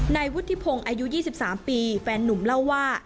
นายวุฒิพงศ์อายุ๒๓ปีแฟนนุ่มเล่าว่า